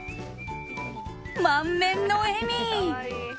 満面の笑み！